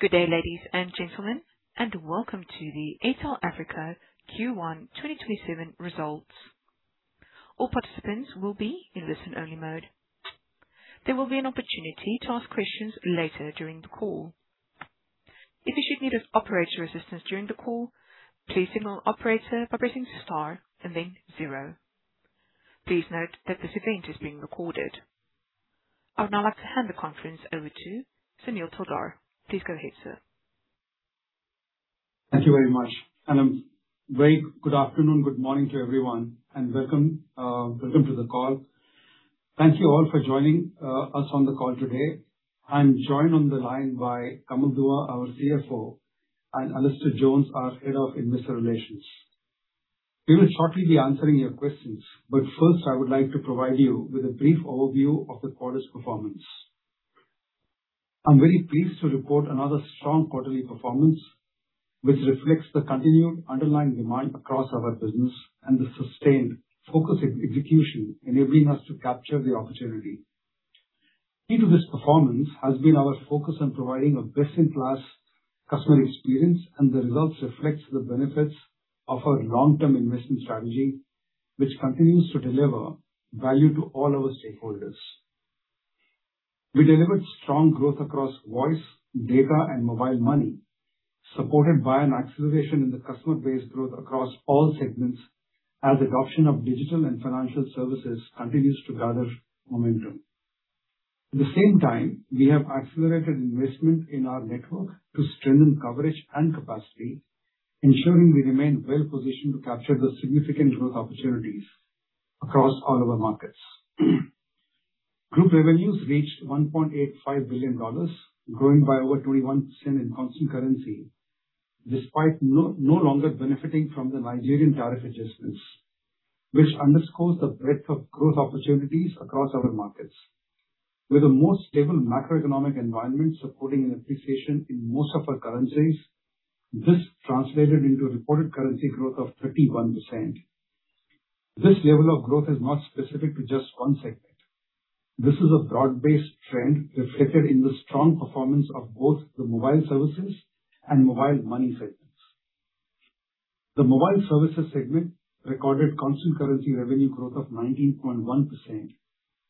Good day, ladies and gentlemen, and welcome to the Airtel Africa Q1 2027 results. All participants will be in listen-only mode. There will be an opportunity to ask questions later during the call. If you should need operator assistance during the call, please signal operator by pressing star and then zero. Please note that this event is being recorded. I would now like to hand the conference over to Sunil Taldar. Please go ahead, sir. Thank you very much. A very good afternoon, good morning to everyone, and welcome to the call. Thank you all for joining us on the call today. I'm joined on the line by Kamal Dua, our CFO, and Alastair Jones, our Head of Investor Relations. We will shortly be answering your questions. First, I would like to provide you with a brief overview of the quarter's performance. I'm very pleased to report another strong quarterly performance, which reflects the continued underlying demand across our business and the sustained focus execution enabling us to capture the opportunity. Key to this performance has been our focus on providing a best-in-class customer experience, and the results reflects the benefits of our long-term investment strategy, which continues to deliver value to all our stakeholders. We delivered strong growth across voice, data, and Mobile Money, supported by an acceleration in the customer base growth across all segments, as adoption of digital and financial services continues to gather momentum. At the same time, we have accelerated investment in our network to strengthen coverage and capacity, ensuring we remain well-positioned to capture the significant growth opportunities across all our markets. Group revenues reached $1.85 billion, growing by over 21% in constant currency, despite no longer benefiting from the Nigerian tariff adjustments, which underscores the breadth of growth opportunities across our markets. With a more stable macroeconomic environment supporting an appreciation in most of our currencies, this translated into a reported currency growth of 31%. This level of growth is not specific to just one segment. This is a broad-based trend reflected in the strong performance of both the Mobile Services and Mobile Money segments. The Mobile Services segment recorded constant currency revenue growth of 19.1%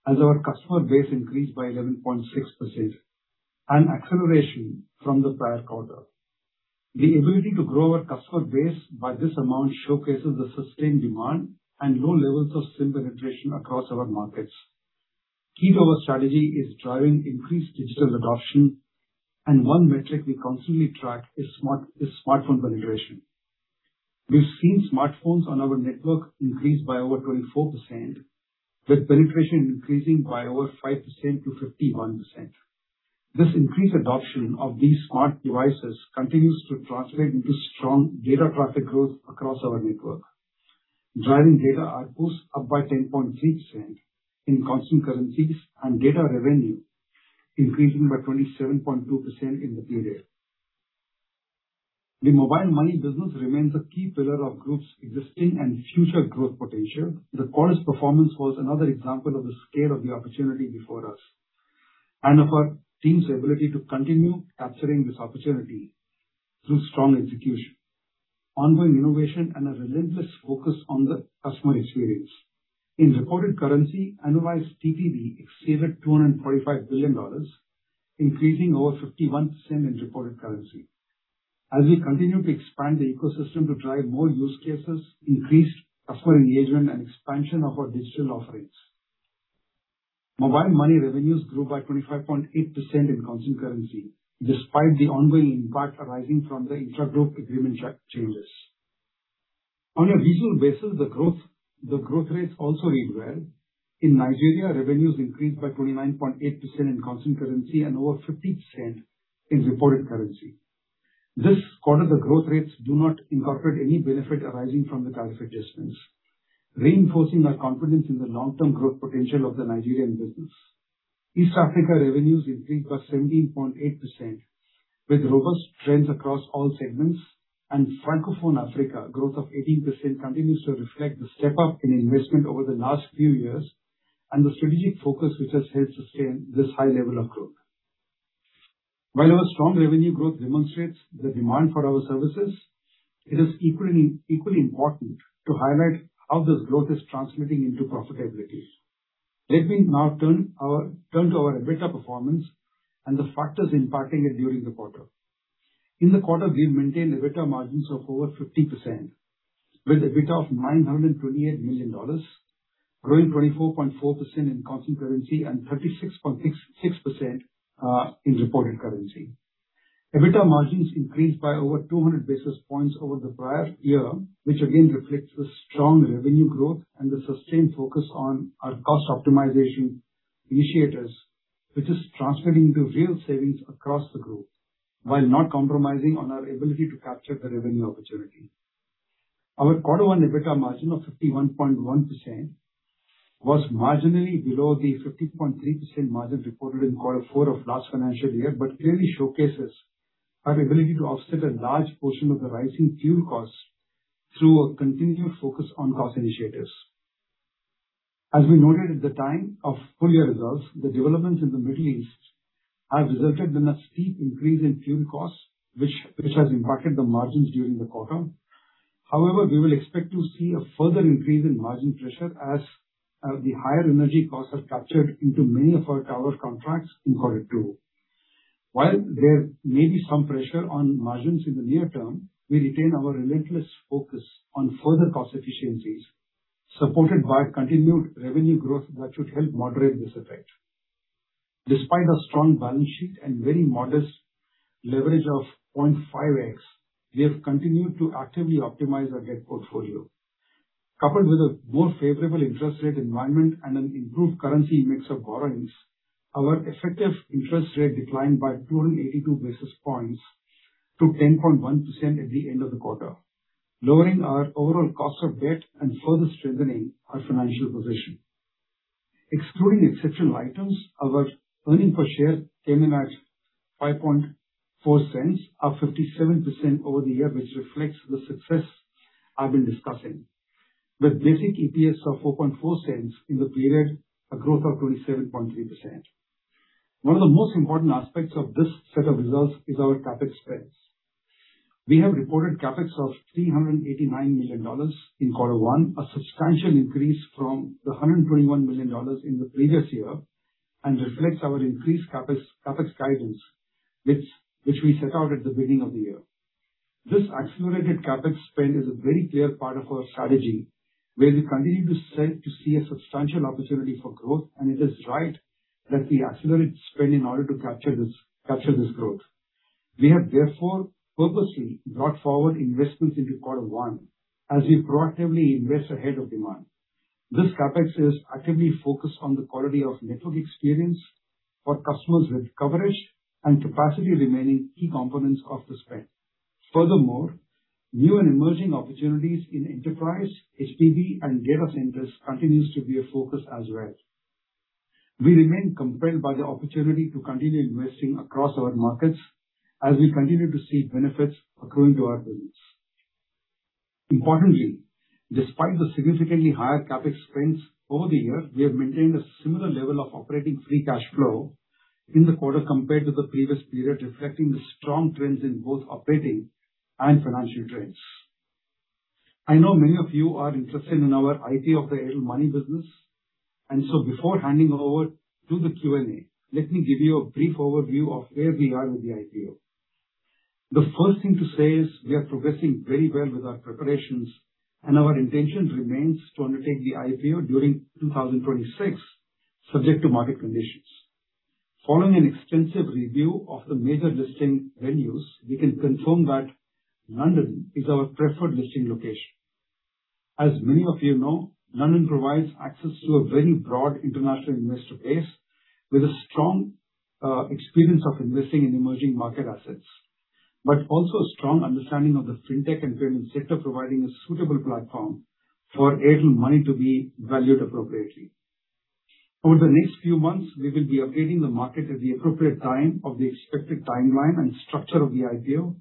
as our customer base increased by 11.6%, an acceleration from the prior quarter. The ability to grow our customer base by this amount showcases the sustained demand and low levels of SIM penetration across our markets. Key to our strategy is driving increased digital adoption, and one metric we constantly track is smartphone penetration. We've seen smartphones on our network increase by over 24%, with penetration increasing by over 5%-51%. This increased adoption of these smart devices continues to translate into strong data traffic growth across our network, driving data ARPUs up by 10.3% in constant currencies and data revenue increasing by 27.2% in the period. The Mobile Money business remains a key pillar of Group's existing and future growth potential. The quarter's performance was another example of the scale of the opportunity before us and of our team's ability to continue capturing this opportunity through strong execution, ongoing innovation, and a relentless focus on the customer experience. In reported currency, annualized TPV exceeded $245 billion, increasing over 51% in reported currency. As we continue to expand the ecosystem to drive more use cases, increase customer engagement, and expansion of our digital offerings. Mobile Money revenues grew by 25.8% in constant currency, despite the ongoing impact arising from the intra-group agreement changes. On a regional basis, the growth rates also read well. In Nigeria, revenues increased by 29.8% in constant currency and over 50% in reported currency. This quarter, the growth rates do not incorporate any benefit arising from the tariff adjustments, reinforcing our confidence in the long-term growth potential of the Nigerian business. East Africa revenues increased by 17.8%, with robust trends across all segments. Francophone Africa growth of 18% continues to reflect the step-up in investment over the last few years and the strategic focus which has helped sustain this high level of growth. While our strong revenue growth demonstrates the demand for our services, it is equally important to highlight how this growth is translating into profitability. Let me now turn to our EBITDA performance and the factors impacting it during the quarter. In the quarter, we've maintained EBITDA margins of over 50%, with EBITDA of $928 million, growing 24.4% in constant currency and 36.6% in reported currency. EBITDA margins increased by over 200 basis points over the prior year, which again reflects the strong revenue growth and the sustained focus on our cost optimization initiatives, which is translating to real savings across the group while not compromising on our ability to capture the revenue opportunity. Our quarter one EBITDA margin of 51.1% was marginally below the 50.3% margin reported in quarter four of last financial year, but clearly showcases our ability to offset a large portion of the rising fuel costs through a continued focus on cost initiatives. As we noted at the time of full-year results, the developments in the Middle East have resulted in a steep increase in fuel costs, which has impacted the margins during the quarter. However, we will expect to see a further increase in margin pressure as the higher energy costs are captured into many of our tower contracts in quarter two. While there may be some pressure on margins in the near term, we retain our relentless focus on further cost efficiencies, supported by continued revenue growth that should help moderate this effect. Despite a strong balance sheet and very modest leverage of 0.5x, we have continued to actively optimize our debt portfolio. Coupled with a more favorable interest rate environment and an improved currency mix of borrowings, our effective interest rate declined by 282 basis points to 10.1% at the end of the quarter, lowering our overall cost of debt and further strengthening our financial position. Excluding exceptional items, our earnings per share came in at $0.054, up 57% over the year, which reflects the success I've been discussing. With basic EPS of $0.044 in the period, a growth of 27.3%. One of the most important aspects of this set of results is our CapEx spends. We have reported CapEx of $389 million in quarter one, a substantial increase from the $121 million in the previous year, and reflects our increased CapEx guidance, which we set out at the beginning of the year. This accelerated CapEx spend is a very clear part of our strategy, where we continue to see a substantial opportunity for growth, and it is right that we accelerate spend in order to capture this growth. We have therefore purposely brought forward investments into quarter one as we proactively invest ahead of demand. This CapEx is actively focused on the quality of network experience for customers, with coverage and capacity remaining key components of the spend. Furthermore, new and emerging opportunities in enterprise, HBB, and data centers continues to be a focus as well. We remain compelled by the opportunity to continue investing across our markets as we continue to see benefits accruing to our business. Importantly, despite the significantly higher CapEx spends over the year, we have maintained a similar level of operating free cash flow in the quarter compared to the previous period, reflecting the strong trends in both operating and financial trends. I know many of you are interested in our IPO of the Airtel Money business. Before handing over to the Q&A, let me give you a brief overview of where we are with the IPO. The first thing to say is we are progressing very well with our preparations, and our intention remains to undertake the IPO during 2026, subject to market conditions. Following an extensive review of the major listing venues, we can confirm that London is our preferred listing location. As many of you know, London provides access to a very broad international investor base with a strong experience of investing in emerging market assets, but also a strong understanding of the FinTech and payment sector, providing a suitable platform for Airtel Money to be valued appropriately. Over the next few months, we will be updating the market at the appropriate time of the expected timeline and structure of the IPO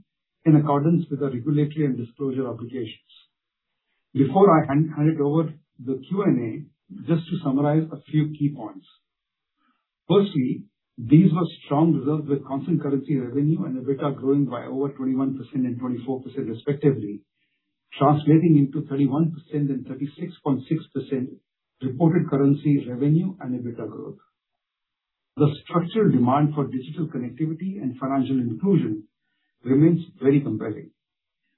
in accordance with our regulatory and disclosure obligations. Before I hand it over to the Q&A, just to summarize a few key points. Firstly, these were strong results with constant currency revenue and EBITDA growing by over 21% and 24% respectively, translating into 31% and 36.6% reported currency revenue and EBITDA growth. The structural demand for digital connectivity and financial inclusion remains very compelling.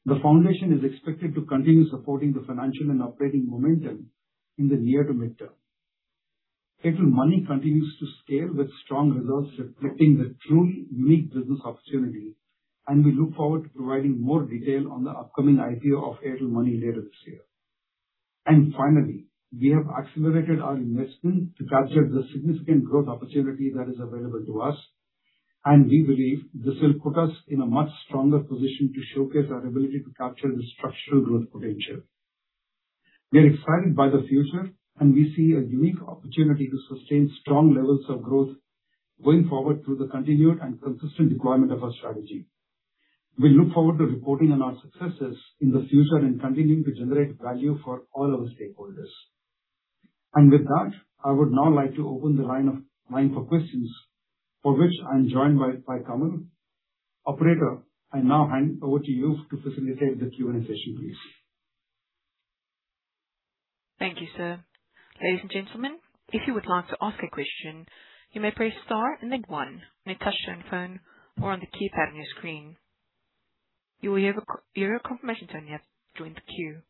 The foundation is expected to continue supporting the financial and operating momentum in the near to mid-term. Airtel Money continues to scale with strong results reflecting the truly unique business opportunity, and we look forward to providing more detail on the upcoming IPO of Airtel Money later this year. Finally, we have accelerated our investment to capture the significant growth opportunity that is available to us, and we believe this will put us in a much stronger position to showcase our ability to capture the structural growth potential. We are excited by the future, and we see a unique opportunity to sustain strong levels of growth going forward through the continued and consistent deployment of our strategy. We look forward to reporting on our successes in the future and continuing to generate value for all our stakeholders. With that, I would now like to open the line for questions for which I am joined by Kamal. Operator, I now hand over to you to facilitate the Q&A session, please. Thank you, sir. Ladies and gentlemen, if you would like to ask a question, you may press star and then one on a touch-tone phone or on the keypad on your screen. You will hear a confirmation tone you have joined the queue.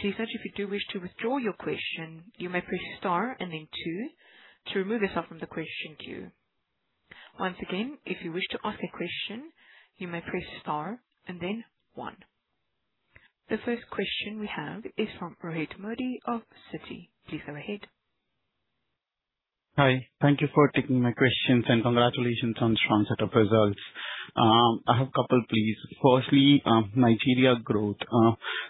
To research if you do wish to withdraw your question, you may press star and then two to remove yourself from the question queue. Once again, if you wish to ask a question, you may press star and then one. The first question we have is from Rohit Modi of Citi. Please go ahead. Hi. Thank you for taking my questions, congratulations on strong set of results. I have a couple, please. Firstly, Nigeria growth.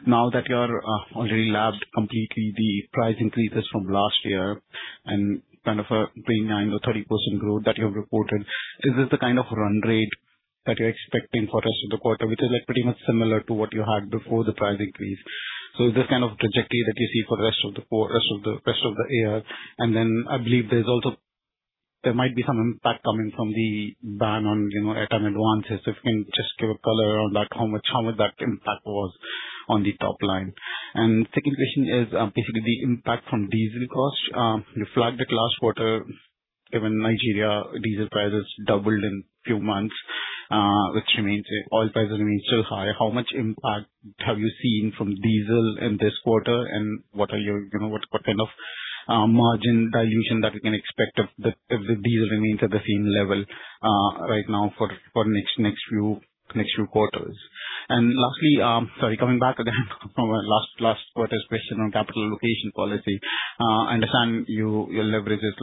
Now that you are already lapped completely the price increases from last year and kind of a 29% or 30% growth that you have reported, is this the kind of run rate that you're expecting for the rest of the quarter, which is pretty much similar to what you had before the price increase. Is this kind of trajectory that you see for the rest of the year? Then I believe there might be some impact coming from the ban on airtime advances. If you can just give a color on how much that impact was on the top line. Second question is basically the impact from diesel costs. You flagged the last quarter, given Nigeria diesel prices doubled in few months, which means oil prices remain still high. How much impact have you seen from diesel in this quarter and what kind of margin dilution that we can expect if the diesel remains at the same level right now for next few quarters? Lastly, sorry, coming back again from last quarter's question on capital allocation policy. I understand your leverage is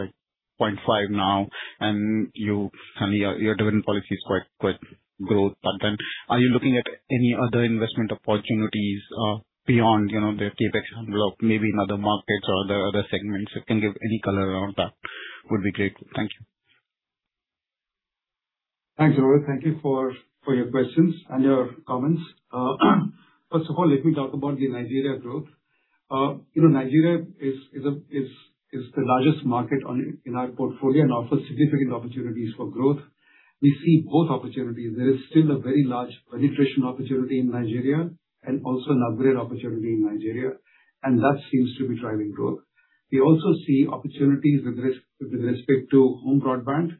0.5x now, and your dividend policy is quite growth-oriented. Are you looking at any other investment opportunities beyond the CapEx envelope, maybe in other markets or the other segments? You can give any color around that would be great. Thank you. Thanks, Rohit. Thank you for your questions and your comments. First of all, let me talk about the Nigeria growth. Nigeria is the largest market in our portfolio and offers significant opportunities for growth. We see both opportunities. There is still a very large penetration opportunity in Nigeria and also an upgrade opportunity in Nigeria, and that seems to be driving growth. We also see opportunities with respect to home broadband,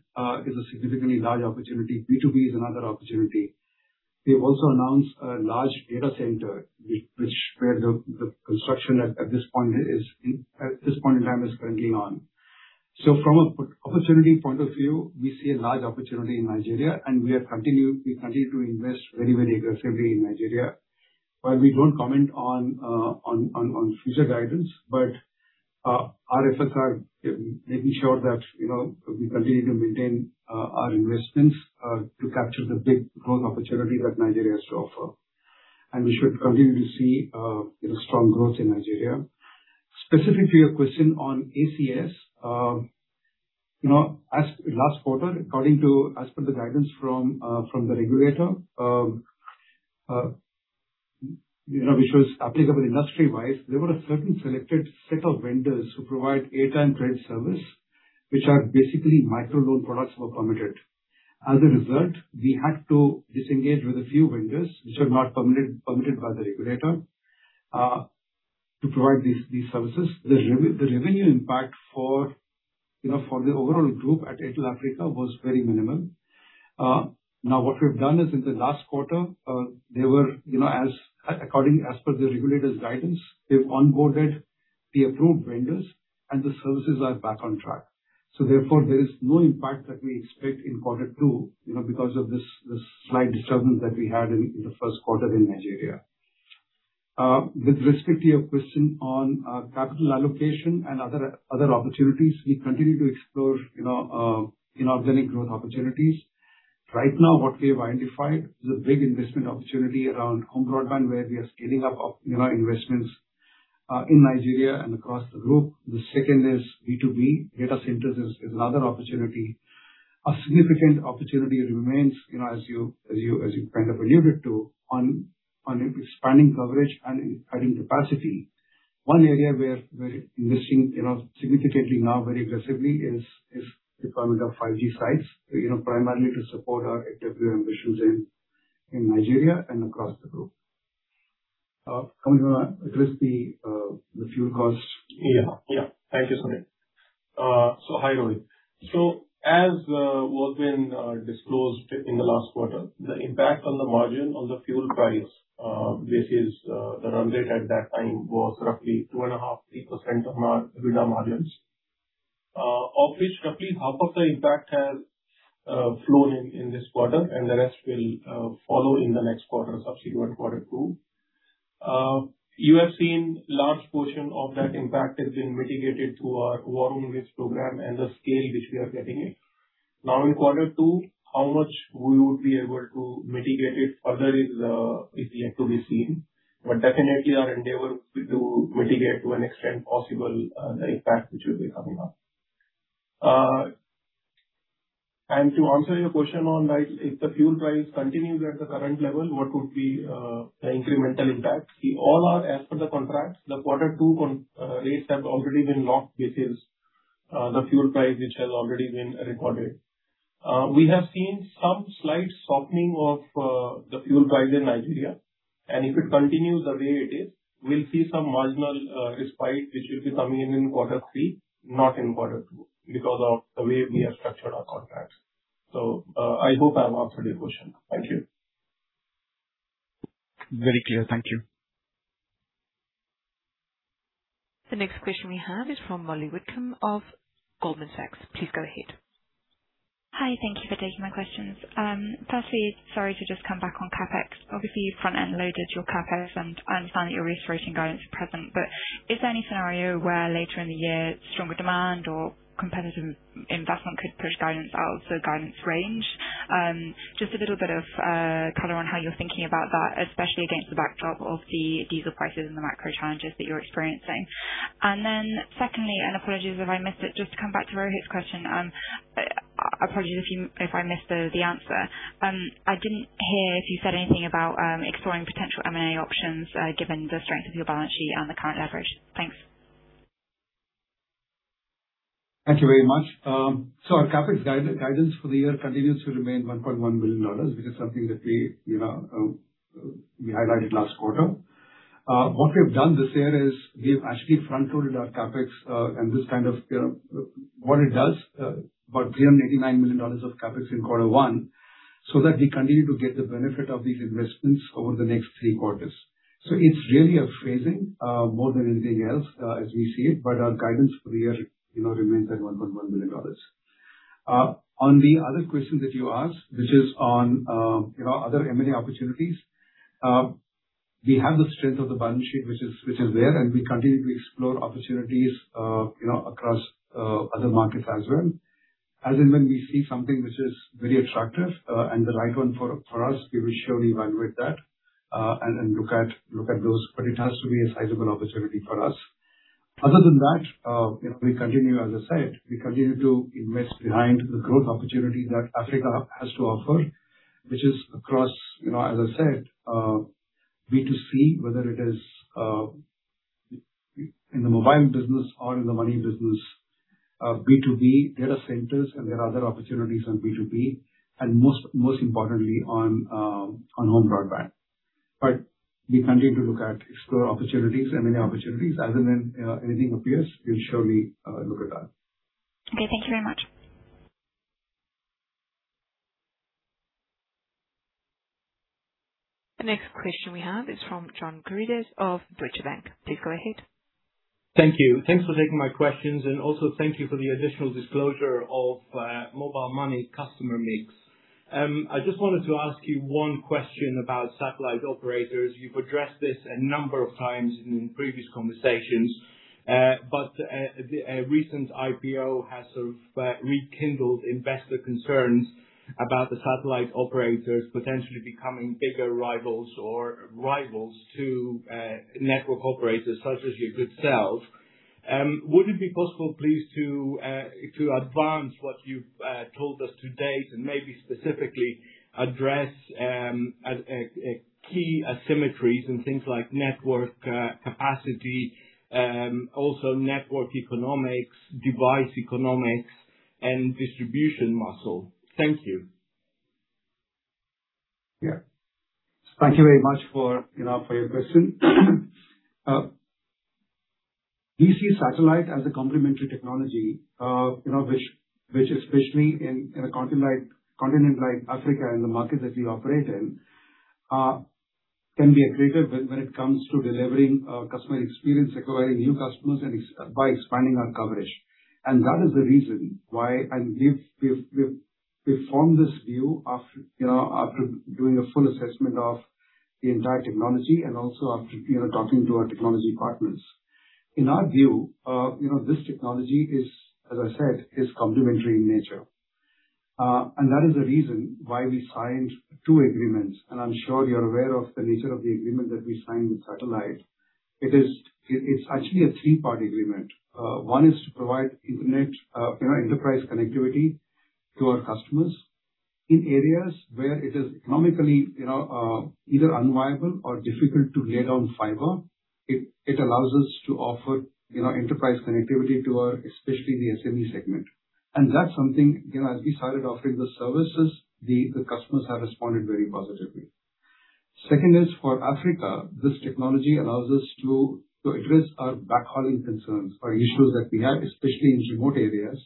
is a significantly large opportunity. B2B is another opportunity. We have also announced a large data center, where the construction at this point in time is currently on. From an opportunity point of view, we see a large opportunity in Nigeria, and we continue to invest very aggressively in Nigeria. While we do not comment on future guidance. Our efforts are making sure that we continue to maintain our investments to capture the big growth opportunity that Nigeria has to offer. We should continue to see strong growth in Nigeria. Specific to your question on ACS. As last quarter, as per the guidance from the regulator, which was applicable industry-wise, there were a certain selected set of vendors who provide airtime credit service, which are basically micro loan products were permitted. As a result, we had to disengage with a few vendors which were not permitted by the regulator to provide these services. The revenue impact for the overall group at Airtel Africa was very minimal. What we have done is in the last quarter they were, as per the regulator's guidance, they have onboarded the approved vendors and the services are back on track. Therefore, there is no impact that we expect in quarter two, because of this slight disturbance that we had in the first quarter in Nigeria. With respect to your question on capital allocation and other opportunities, we continue to explore inorganic growth opportunities. Right now, what we have identified is a big investment opportunity around home broadband, where we are scaling up our investments in Nigeria and across the group. The second is B2B. Data centers is another opportunity. A significant opportunity remains as you kind of alluded to on expanding coverage and adding capacity. One area where we are investing significantly now very aggressively is deployment of 5G sites, primarily to support our LTE ambitions in Nigeria and across the group. Kamal to address the fuel cost. Thank you, Sunil. Hi, Rohit. As was disclosed in the last quarter, the impact on the margin on the fuel price, which is the run rate at that time, was roughly 2.5%, 3% of our EBITDA margins. Of which roughly half of the impact has flown in this quarter, and the rest will follow in the next quarter, subsequent quarter two. You have seen large portion of that impact has been mitigated through our volume-based program and the scale which we are getting it. In quarter two, how much we would be able to mitigate it further is yet to be seen. Definitely our endeavor to mitigate to an extent possible, the impact which will be coming up. To answer your question on if the fuel price continues at the current level, what would be the incremental impact? All our as per the contracts, the quarter two rates have already been locked. This is the fuel price which has already been recorded. We have seen some slight softening of the fuel price in Nigeria, and if it continues the way it is, we will see some marginal respite, which will be coming in in quarter three, not in quarter two, because of the way we have structured our contracts. I hope I have answered your question. Thank you. Very clear. Thank you. The next question we have is from Molly Whitcomb of Goldman Sachs. Please go ahead. Hi. Thank you for taking my questions. Firstly, sorry to just come back on CapEx. Obviously, you front-end loaded your CapEx, and I understand that you are reiterating guidance present, but is there any scenario where later in the year, stronger demand or competitive investment could push guidance out of the guidance range? Just a little bit of color and how you are thinking about that, especially against the backdrop of the diesel prices and the macro challenges that you are experiencing. Then secondly, and apologies if I missed it, just to come back to Rohit's question. Apologies if I missed the answer. I did not hear if you said anything about exploring potential M&A options, given the strength of your balance sheet and the current leverage. Thanks. Thank you very much. Our CapEx guidance for the year continues to remain $1.1 billion, which is something that we highlighted last quarter. What we have done this year is we have actually front-loaded our CapEx, about $389 million of CapEx in quarter one, so that we continue to get the benefit of these investments over the next three quarters. It is really a phasing more than anything else, as we see it. Our guidance for the year remains at $1.1 billion. On the other question that you asked, which is on other M&A opportunities. We have the strength of the balance sheet, which is there, and we continue to explore opportunities across other markets as well. As and when we see something which is very attractive, and the right one for us, we will surely evaluate that, and look at those. It has to be a sizable opportunity for us. Other than that, as I said, we continue to invest behind the growth opportunity that Africa has to offer, which is across, as I said, B2C, whether it is in the mobile business or in the money business, B2B data centers, and there are other opportunities on B2B, and most importantly on home broadband. We continue to explore opportunities, M&A opportunities, as and when anything appears, we will surely look at that. Okay. Thank you very much. The next question we have is from John Karidis of Deutsche Bank. Please go ahead. Thank you. Thanks for taking my questions. Also thank you for the additional disclosure of Mobile Money customer mix. I just wanted to ask you one question about Satellite operators. You've addressed this a number of times in previous conversations. A recent IPO has sort of rekindled investor concerns about the Satellite operators potentially becoming bigger rivals or rivals to network operators such as yourself. Would it be possible, please, to advance what you've told us to date and maybe specifically address key asymmetries in things like network capacity, also network economics, device economics, and distribution muscle. Thank you. Thank you very much for your question. We see Satellite as a complementary technology, which especially in a continent like Africa, in the market that we operate in, can be a creator when it comes to delivering a customer experience, acquiring new customers, and by expanding our coverage. That is the reason why, we've formed this view after doing a full assessment of the entire technology and also after talking to our technology partners. In our view, this technology, as I said, is complementary in nature. That is the reason why we signed two agreements, and I'm sure you're aware of the nature of the agreement that we signed with Satellite. It is actually a three-part agreement. One is to provide internet enterprise connectivity to our customers in areas where it is economically either unviable or difficult to lay down fiber. It allows us to offer enterprise connectivity to especially the SME segment. That's something, as we started offering the services, the customers have responded very positively. Second is for Africa. This technology allows us to address our backhauling concerns or issues that we have, especially in remote areas,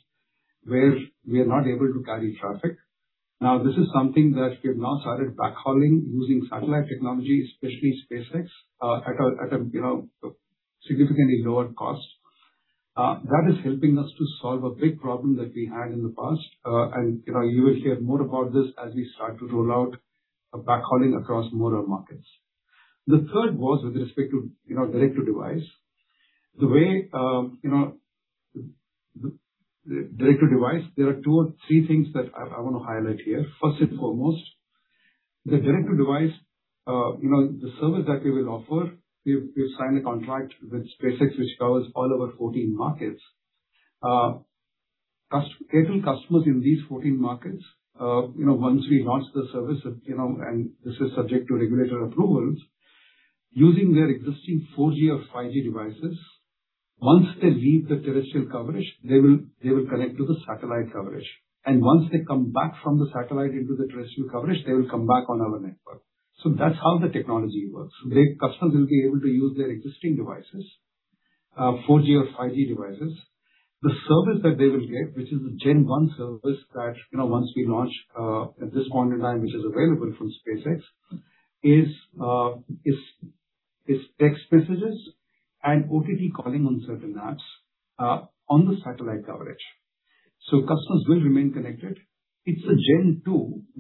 where we are not able to carry traffic. This is something that we have now started backhauling using Satellite technology, especially SpaceX, at a significantly lower cost. That is helping us to solve a big problem that we had in the past. You will hear more about this as we start to roll out a backhauling across more markets. The third was with respect to Direct-to-Device. Direct-to-Device, there are two or three things that I want to highlight here. First and foremost, the Direct-to-Device, the service that we will offer, we've signed a contract with SpaceX, which covers all our 14 markets. Airtel customers in these 14 markets, once we launch the service, this is subject to regulator approvals, using their existing 4G or 5G devices, once they leave the terrestrial coverage, they will connect to the Satellite coverage. Once they come back from the Satellite into the terrestrial coverage, they will come back on our network. That's how the technology works. Customers will be able to use their existing devices, 4G or 5G devices. The service that they will get, which is the Gen1 service that once we launch, at this point in time, which is available from SpaceX, is text messages and OTT calling on certain apps on the Satellite coverage. Customers will remain connected. It's the Gen2,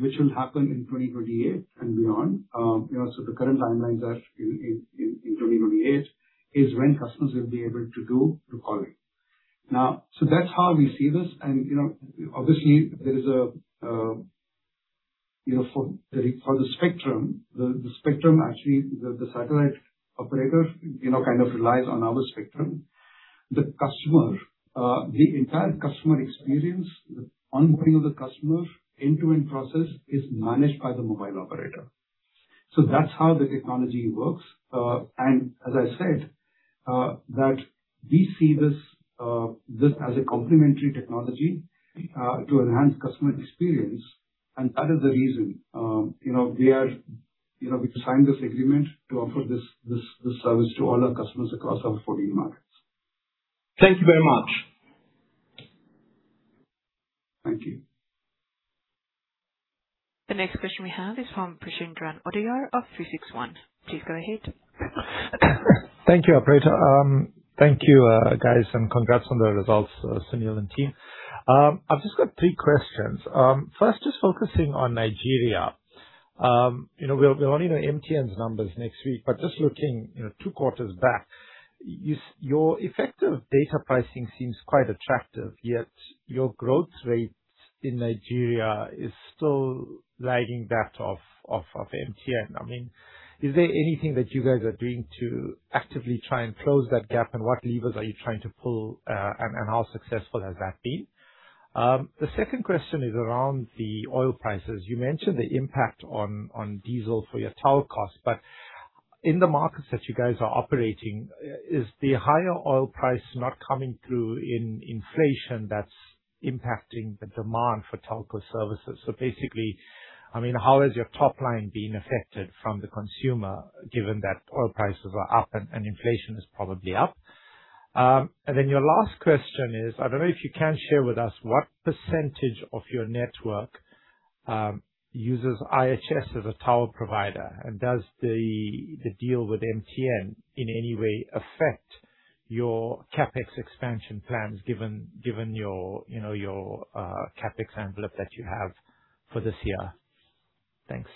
which will happen in 2028 and beyond. The current timelines are in 2028, is when customers will be able to do the calling. That's how we see this. Obviously, for the spectrum, the spectrum, actually, the satellite operator kind of relies on our spectrum. The entire customer experience, the onboarding of the customer, end-to-end process is managed by the mobile operator. That's how the technology works. As I said, that we see this as a complementary technology to enhance customer experience, and that is the reason we've signed this agreement to offer this service to all our customers across our 14 markets. Thank you very much. Thank you. The next question we have is from Prashant Ranade of 360 ONE. Please go ahead. Thank you, operator. Thank you, guys, and congrats on the results, Sunil and team. I've just got three questions. First, focusing on Nigeria. We'll only know MTN's numbers next week, looking two quarters back, your effective data pricing seems quite attractive, yet your growth rate in Nigeria is still lagging that of MTN. Is there anything that you guys are doing to actively try and close that gap, and what levers are you trying to pull, and how successful has that been? The second question is around the oil prices. You mentioned the impact on diesel for your tower cost, but in the markets that you guys are operating, is the higher oil price not coming through in inflation that's impacting the demand for telco services? How has your top line been affected from the consumer, given that oil prices are up and inflation is probably up? Your last question is, I don't know if you can share with us what percentage of your network uses IHS as a tower provider. Does the deal with MTN in any way affect your CapEx expansion plans given your CapEx envelope that you have for this year? Thanks.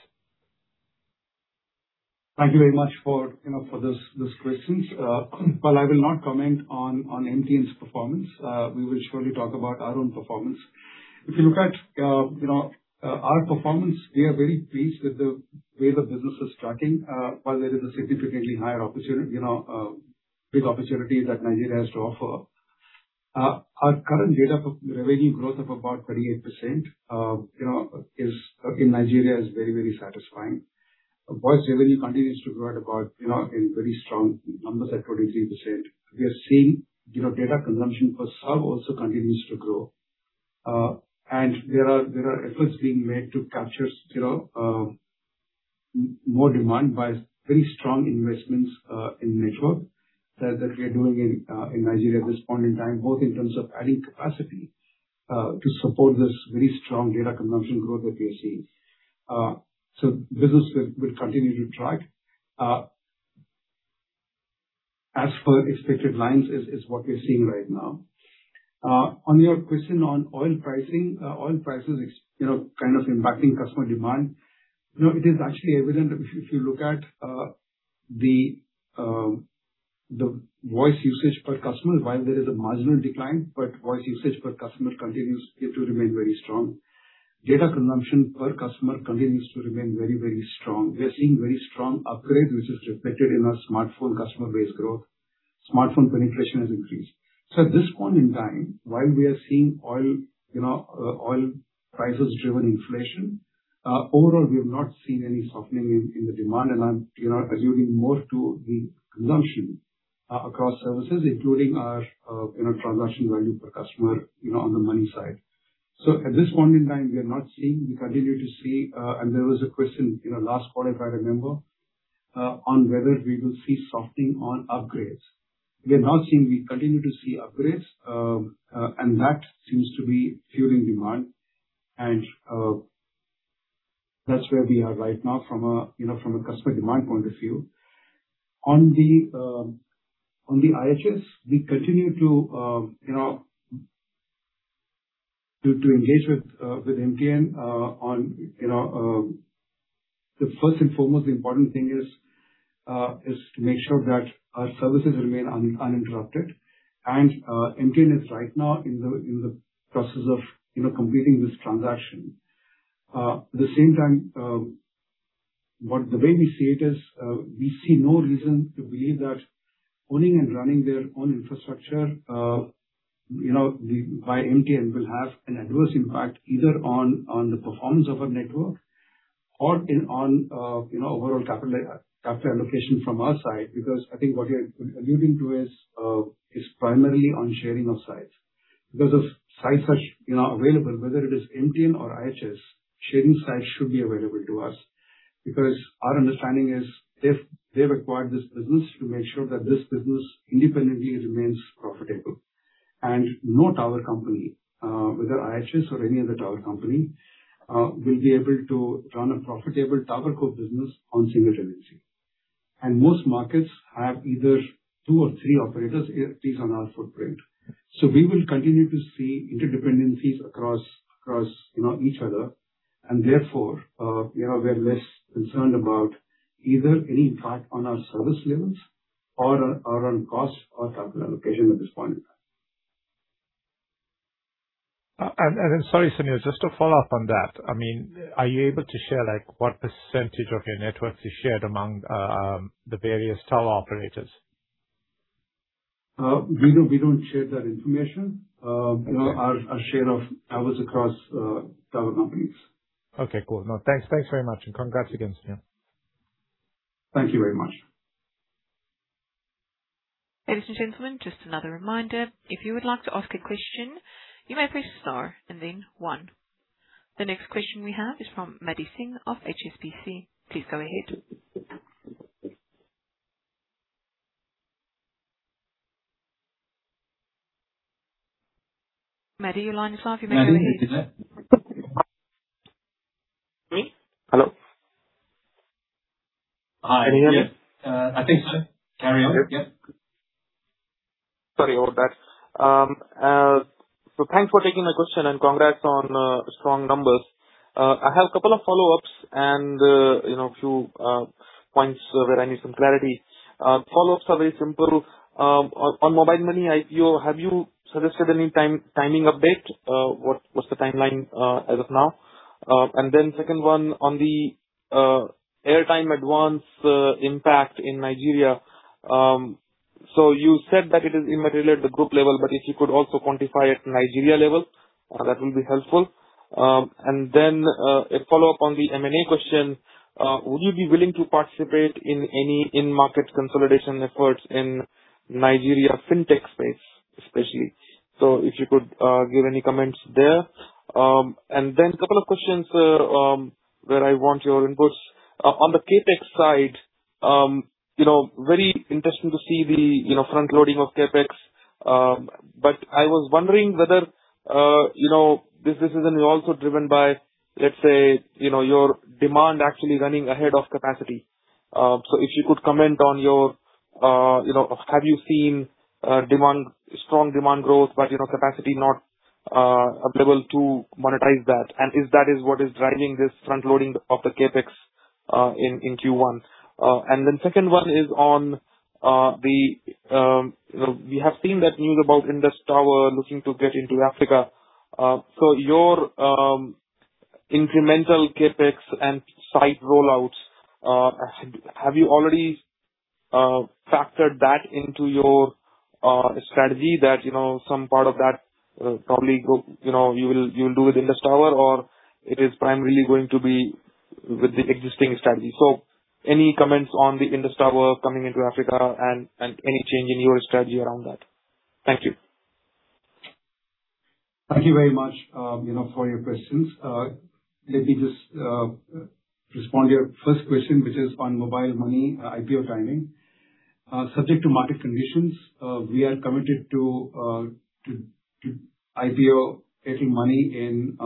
Thank you very much for those questions. I will not comment on MTN's performance. We will surely talk about our own performance. If you look at our performance, we are very pleased with the way the business is tracking. While there is a significantly higher big opportunity that Nigeria has to offer. Our current data revenue growth of about 28% in Nigeria is very satisfying. Voice revenue continues to grow in very strong numbers at 23%. We are seeing data consumption for self also continues to grow. There are efforts being made to capture more demand by very strong investments in network that we are doing in Nigeria at this point in time, both in terms of adding capacity to support this very strong data consumption growth that we are seeing. Business will continue to track. As per expected lines is what we're seeing right now. On your question on oil pricing, oil prices impacting customer demand. It is actually evident if you look at the voice usage per customer, while there is a marginal decline, voice usage per customer continues to remain very strong. Data consumption per customer continues to remain very strong. We are seeing very strong upgrade, which is reflected in our smartphone customer base growth. Smartphone penetration has increased. At this point in time, while we are seeing oil prices-driven inflation, overall, we have not seen any softening in the demand. I'm alluding more to the consumption across services, including our transaction value per customer, on the money side. At this point in time, we are not seeing any softening. We continue to see. There was a question in the last quarter, if I remember, on whether we will see softening on upgrades. We have not seen, we continue to see upgrades, and that seems to be fueling demand. That's where we are right now from a customer demand point of view. On the IHS, we continue to engage with MTN on. The first and foremost important thing is to make sure that our services remain uninterrupted. MTN is right now in the process of completing this transaction. At the same time, we see no reason to believe that owning and running their own infrastructure by MTN will have an adverse impact either on the performance of our network or on overall capital allocation from our side. I think what you're alluding to is primarily on sharing of sites. If sites are available, whether it is MTN or IHS, sharing sites should be available to us. Our understanding is they've acquired this business to make sure that this business independently remains profitable. No tower company, whether IHS or any other tower company, will be able to run a profitable tower co business on single tenancy. Most markets have either two or three operators at least on our footprint. We will continue to see interdependencies across each other. Therefore, we are less concerned about either any impact on our service levels or on cost or capital allocation at this point in time. Sorry, Sunil, just to follow up on that. Are you able to share what percentage of your networks is shared among the various tower operators? We don't share that information. Okay. Our share of towers across tower companies. Okay, cool. No, thanks very much, and congrats again, Sunil. Thank you very much. Ladies and gentlemen, just another reminder, if you would like to ask a question, you may press star and then one. The next question we have is from Madhi Singh of HSBC. Please go ahead. Madhi, your line is live. You may proceed. Madhi, are you there? Me? Hello. Hi. Can you hear me? I think so. Carry on. Yep. Sorry about that. Thanks for taking the question and congrats on strong numbers. I have a couple of follow-ups and a few points where I need some clarity. Follow-ups are very simple. On Airtel Money IPO, have you suggested any timing update? What's the timeline as of now? Second one on the airtime advance impact in Nigeria. You said that it is immaterial at the group level, but if you could also quantify at Nigeria level, that will be helpful. A follow-up on the M&A question. Would you be willing to participate in any in-market consolidation efforts in Nigeria, fintech space especially? If you could give any comments there. A couple of questions where I want your inputs. On the CapEx side, very interesting to see the frontloading of CapEx. I was wondering whether this is then also driven by, let's say, your demand actually running ahead of capacity. If you could comment, have you seen strong demand growth, but capacity not available to monetize that? If that is what is driving this frontloading of the CapEx in Q1. Second one is on, we have seen that news about Indus Towers looking to get into Africa. Your incremental CapEx and site rollouts, have you already factored that into your strategy that some part of that probably you will do with Indus Towers or it is primarily going to be with the existing strategy? Any comments on the Indus Towers coming into Africa and any change in your strategy around that? Thank you. Thank you very much for your questions. Let me just respond to your first question, which is on Mobile Money IPO timing. Subject to market conditions, we are committed to IPO raising money in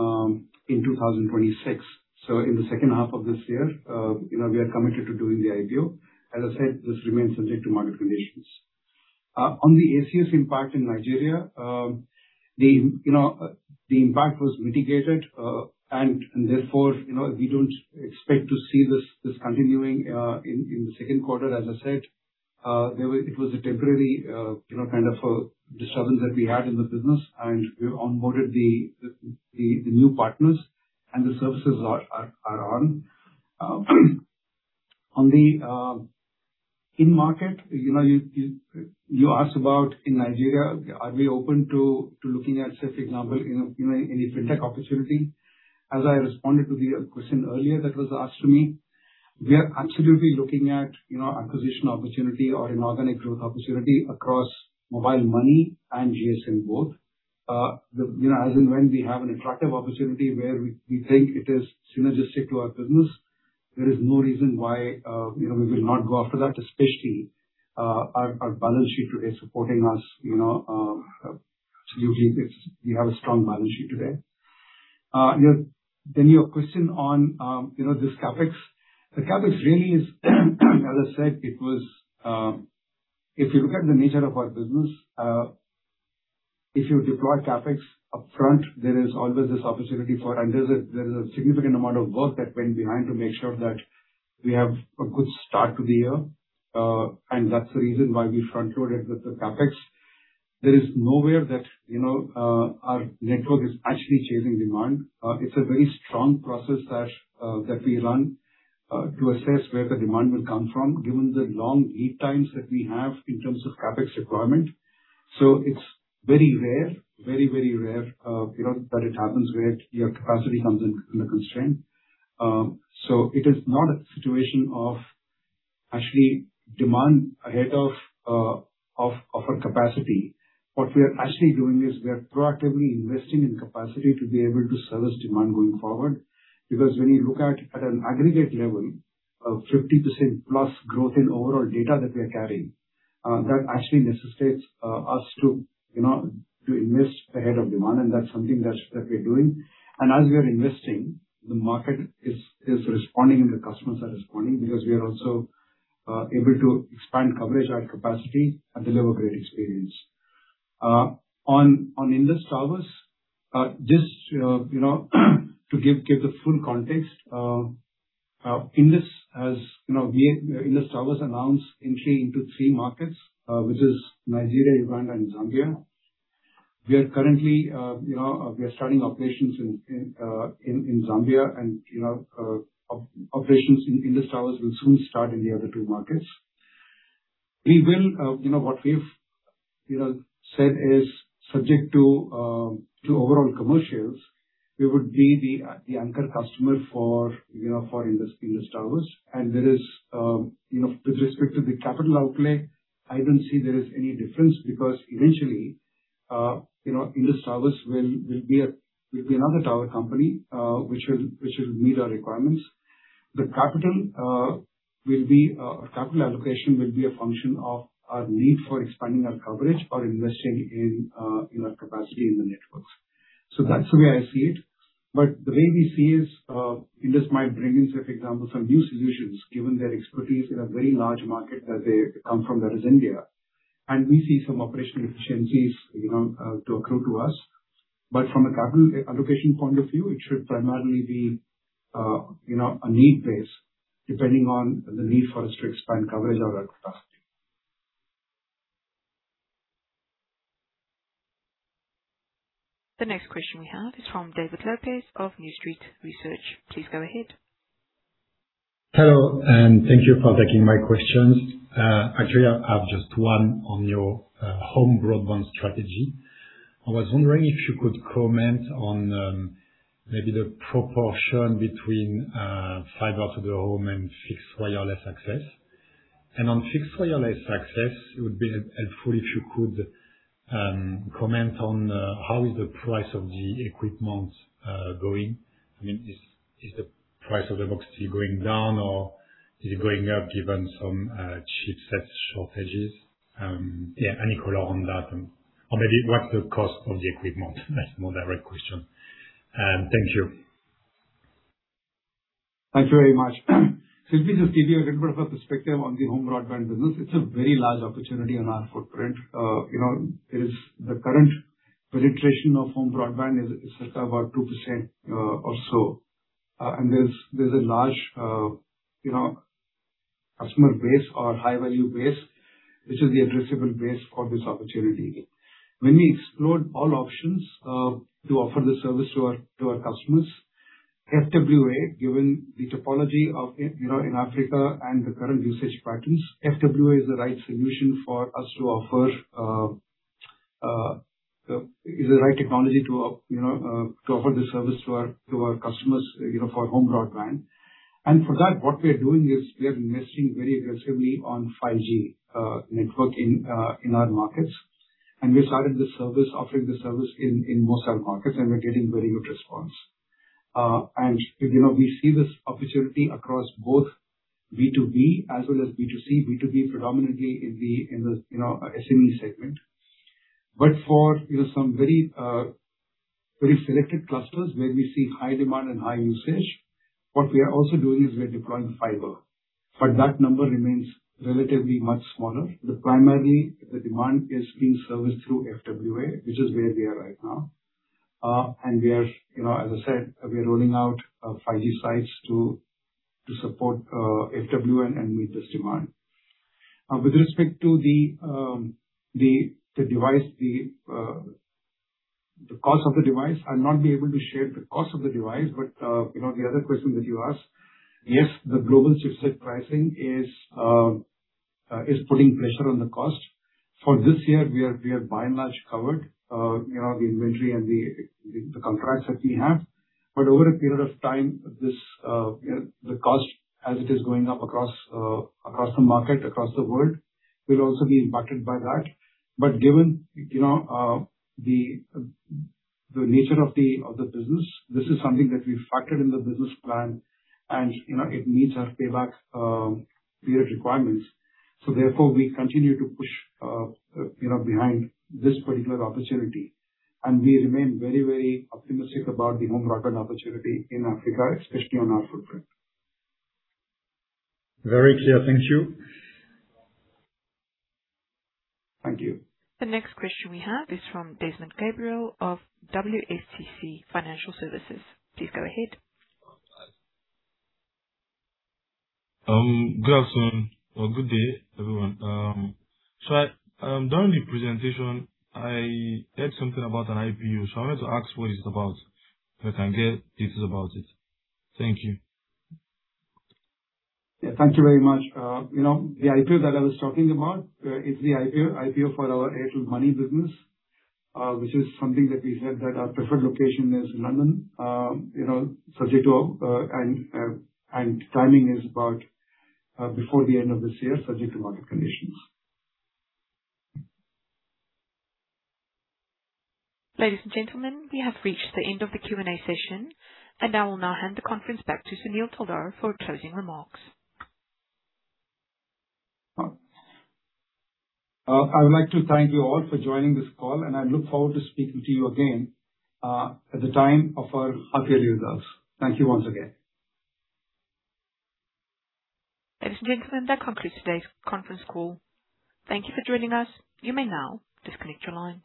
2026. In the second half of this year, we are committed to doing the IPO. As I said, this remains subject to market conditions. On the ACS impact in Nigeria, the impact was mitigated, therefore, we don't expect to see this continuing in the second quarter. As I said, it was a temporary kind of a disturbance that we had in the business, and we've onboarded the new partners and the services are on. On the in-market, you asked about in Nigeria, are we open to looking at, say, for example, any fintech opportunity? As I responded to the question earlier that was asked to me, we are absolutely looking at acquisition opportunity or inorganic growth opportunity across Mobile Money and GSM both. As and when we have an attractive opportunity where we think it is synergistic to our business, there is no reason why we will not go after that, especially our balance sheet today supporting us. Absolutely, we have a strong balance sheet today. Your question on this CapEx. The CapEx really is, as I said, if you look at the nature of our business, if you deploy CapEx upfront, there is always this opportunity for. There's a significant amount of work that went behind to make sure that we have a good start to the year. That's the reason why we frontloaded with the CapEx. There is nowhere that our network is actually chasing demand. It's a very strong process that we run to assess where the demand will come from, given the long lead times that we have in terms of CapEx requirement. It's very rare, very, very rare that it happens where your capacity comes in a constraint. It is not a situation of actually demand ahead of our capacity. What we are actually doing is we are proactively investing in capacity to be able to service demand going forward. Because when you look at an aggregate level of 50% plus growth in overall data that we are carrying, that actually necessitates us to invest ahead of demand, that's something that we're doing. As we are investing, the market is responding, and the customers are responding because we are also able to expand coverage, add capacity, and deliver great experience. On Indus Towers, to give the full context. Indus Towers announced entry into three markets, which is Nigeria, Uganda, and Zambia. We are currently starting operations in Zambia, and operations in Indus Towers will soon start in the other two markets. What we've said is subject to overall commercials, we would be the anchor customer for Indus Towers. With respect to the capital outlay, I don't see there is any difference because eventually, Indus Towers will be another tower company, which will meet our requirements. The capital allocation will be a function of our need for expanding our coverage or investing in our capacity in the networks. That's the way I see it. The way we see is, Indus might bring in, say, for example, some new solutions, given their expertise in a very large market that they come from, that is India. We see some operational efficiencies to accrue to us. From a capital allocation point of view, it should primarily be a need base, depending on the need for us to expand coverage or our capacity. The next question we have is from David Lopes of New Street Research. Please go ahead. Hello, thank you for taking my questions. Actually, I have just one on your home broadband strategy. I was wondering if you could comment on maybe the proportion between fiber to the home and fixed wireless access. On fixed wireless access, it would be helpful if you could comment on how is the price of the equipment going. Is the price of the box going down or is it going up given some chipset shortages? Any color on that? Or maybe what's the cost of the equipment? That's a more direct question. Thank you. Thank you very much. Let me just give you a little bit of a perspective on the home broadband business. It's a very large opportunity on our footprint. The current penetration of home broadband is just about 2% or so. There's a large customer base or high-value base, which is the addressable base for this opportunity. When we explored all options to offer the service to our customers, FWA, given the topology in Africa and the current usage patterns, FWA is the right solution for us to offer, is the right technology to offer the service to our customers for home broadband. For that, what we are doing is we are investing very aggressively on 5G network in our markets. We started offering the service in most of our markets, and we're getting very good response. We see this opportunity across both B2B as well as B2C, B2B predominantly in the SME segment. For some very selected clusters where we see high demand and high usage, what we are also doing is we are deploying fiber. That number remains relatively much smaller. Primarily, the demand is being serviced through FWA, which is where we are right now. As I said, we are rolling out 5G sites to support FWA and meet this demand. With respect to the cost of the device, I'll not be able to share the cost of the device. The other question that you asked, yes, the global chipset pricing is putting pressure on the cost. For this year, we are by and large covered, the inventory and the contracts that we have. Over a period of time, the cost as it is going up across the market, across the world, we'll also be impacted by that. Given the nature of the business, this is something that we factored in the business plan, and it meets our payback period requirements. Therefore, we continue to push behind this particular opportunity, and we remain very optimistic about the home broadband opportunity in Africa, especially on our footprint. Very clear. Thank you. Thank you. The next question we have is from Desmond Gabriel of WSTC Financial Services. Please go ahead. Good afternoon or good day, everyone. During the presentation, I heard something about an IPO, I wanted to ask what it's about, if I can get details about it. Thank you. Yeah. Thank you very much. The IPO that I was talking about, is the IPO for our Airtel Money business, which is something that we said that our preferred location is London. Timing is before the end of this year, subject to market conditions. Ladies and gentlemen, we have reached the end of the Q&A session, and I will now hand the conference back to Sunil Taldar for closing remarks. I would like to thank you all for joining this call, and I look forward to speaking to you again at the time of our half yearly results. Thank you once again. Ladies and gentlemen, that concludes today's conference call. Thank you for joining us. You may now disconnect your line.